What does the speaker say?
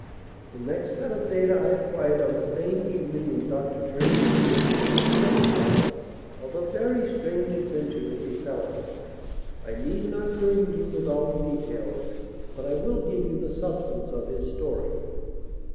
"The next set of data I acquired on the same evening, when Dr. Jervis gave me a detailed account of a very strange adventure that befell him. I need not burden you with all the details, but I will give you the substance of his story."